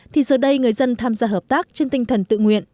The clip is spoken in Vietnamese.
thì giờ đây người dân tham gia hợp tác trên tinh thần tự nguyện